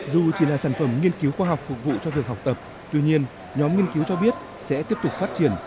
dù chỉ là sản phẩm nghiên cứu khoa học phục vụ cho việc học tập tuy nhiên nhóm nghiên cứu cho biết sẽ tiếp tục phát triển